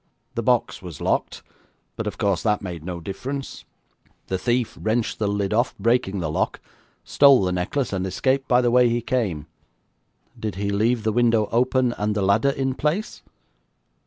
The box was locked, but, of course, that made no difference. The thief wrenched the lid off, breaking the lock, stole the necklace, and escaped by the way he came.' 'Did he leave the window open, and the ladder in place?'